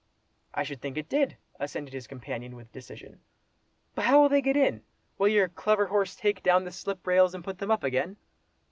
"I should think it did," assented his companion, with decision. "But how will they get in? Will your clever horse take down the slip rails, and put them up again?"